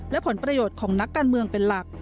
และผลประโยชน์ของนักการเมืองเป็นหลัก